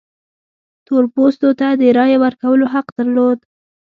تور پوستو ته د رایې ورکولو حق درلود.